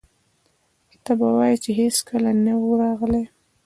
ته به وایې چې هېڅکله نه و راغلي.